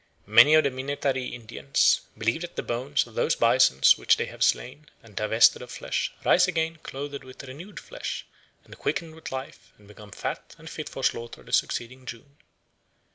Many of the Minnetaree Indians "believe that the bones of those bisons which they have slain and divested of flesh rise again clothed with renewed flesh, and quickened with life, and become fat, and fit for slaughter the succeeding June."